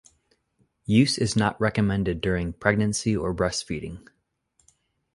Use is not recommended during pregnancy or breastfeeding.